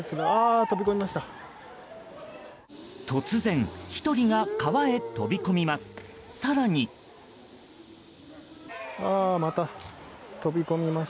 突然、１人が川へ飛び込みます。